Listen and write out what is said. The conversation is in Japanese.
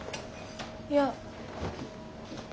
いや。